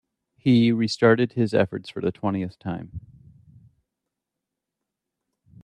He restarted his efforts for the twentieth time.